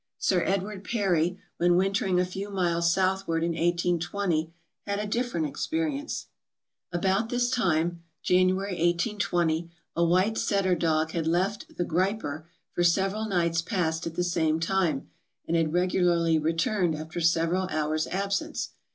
Sir Edward Parry, when wintering a few miles south ward in 1820, had a different experience: "About this time [January, 1820] a white setter dog had left the 'Griper' for several nights past at the same time, and had regularly returned after several hours' absence.